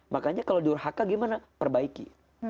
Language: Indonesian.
makanya kalau durhaka gimana perbaiki